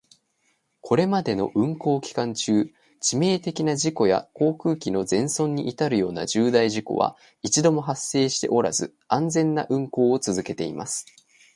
これまでの運航期間中、致命的な事故や航空機の全損に至るような重大事故は一度も発生しておらず、安全な運航を続けています。